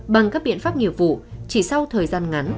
bằng các biện pháp nghiệp vụ chỉ sau thời gian ngắn